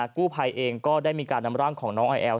กู้ภัยเองก็ได้มีการนำร่างของน้องไอแอล